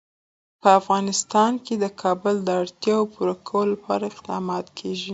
په افغانستان کې د کابل د اړتیاوو پوره کولو لپاره اقدامات کېږي.